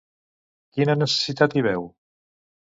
Quina necessitat hi veu?